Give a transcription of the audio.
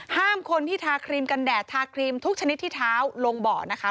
ห้ามคนที่ทาครีมกันแดดทาครีมทุกชนิดที่เท้าลงเบาะนะคะ